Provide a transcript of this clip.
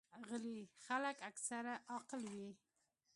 غلي خلک اکثره عاقل وي.